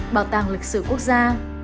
bảo tàng lịch sử quốc gia